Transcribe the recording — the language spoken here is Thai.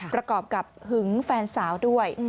ประกอบกับหึงแฟนสาวด้วย